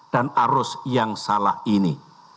dan arus yang salah ini